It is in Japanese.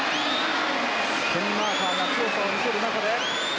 スクンマーカーが強さを見せている。